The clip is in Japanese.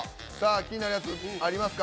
気になるやつ、ありますか？